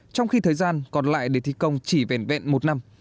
trong khi thời gian còn lại để thi công chỉ vẻn vẹn một năm